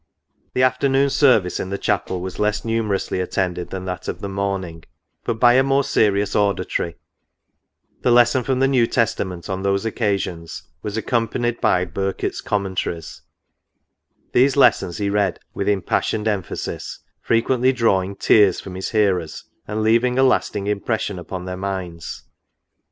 The afternoon service in the chapel was less numerously attended than that of the morning, but by a more serious au ditory ; the lesson from the New Testament, on those occa sions, was accompanied by Birkett's Commentaries, These les sons he read with impassioned emphasis, frequently drawing tears from his hearers, and leaving a lasting impression upon ^' NOTES. 63 their minds.